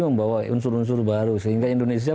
membawa unsur unsur baru sehingga indonesia